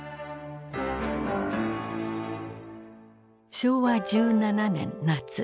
昭和１７年夏。